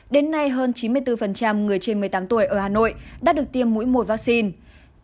đến nay hơn chín mươi bốn người trên một mươi tám tuổi ở hà nội đã được tiêm mũi một vaccine